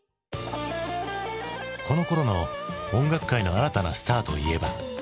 このころの音楽界の新たなスターといえば。